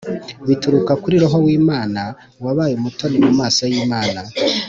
bituruka kuri roho w’imana : wabaye umutoni mu maso y’imana.